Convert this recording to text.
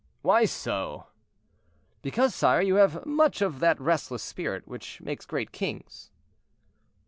"Why so?" "Because, sire, you have much of that restless spirit which makes great kings."